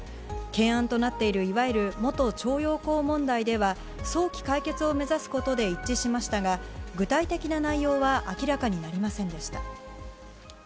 懸案となっているいわゆる元徴用工問題では、早期解決を目指すことで一致しましたが、具体的な内容は明らかになりませんでした。